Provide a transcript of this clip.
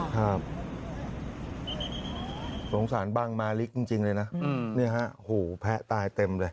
ครับสงสารบังมาริกจริงเลยนะเนี่ยฮะโหแพะตายเต็มเลย